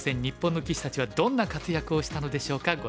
日本の棋士たちはどんな活躍をしたのでしょうか。